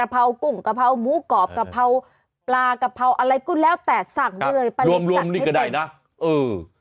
ปลากับเผาอะไรก็แล้วแตดสั่งด้วยป้าเล็กจัดให้เต็ม